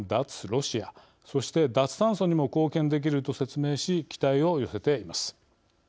ロシア、そして脱炭素にも貢献できると説明し期待を寄せています。